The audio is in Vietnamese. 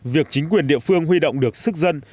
việc chính quyền địa phương huy động được sức dân